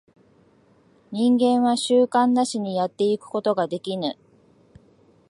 人間は習慣なしにやってゆくことができぬ。